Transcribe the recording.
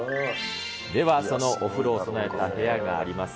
では、そのお風呂を備えた部屋があります